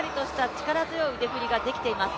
力強い腕振りができています。